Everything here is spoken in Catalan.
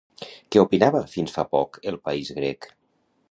Què opinava fins fa poc el país grec?